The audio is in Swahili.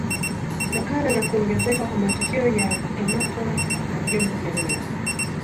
Kutokana na kuongezeka kwa matukio ya kukamatwa na vyombo vya dola